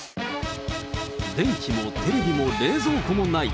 電気もテレビも冷蔵庫もない。